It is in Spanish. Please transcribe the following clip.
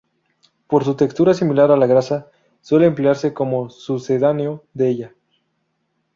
Por su textura similar a la grasa, suele emplearse como sucedáneo de ella.